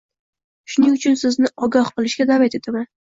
Shuning uchun sizni ogoh bo‘lishga da’vat etaman